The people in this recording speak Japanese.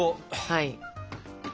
はい。